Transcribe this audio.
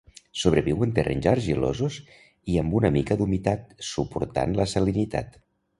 Sobreviu en terrenys argilosos i amb una mica d'humitat, suportant la salinitat.